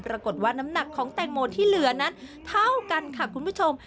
น้ำหนักของแตงโมที่เหลือนั้นเท่ากันค่ะคุณผู้ชม